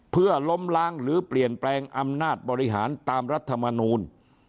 เพื่อล้มล้างหรือเปลี่ยนแปลงอำนาจบริหารตามรัฐมนูล